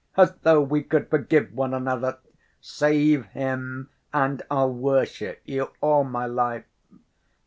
As though we could forgive one another! Save him, and I'll worship you all my life."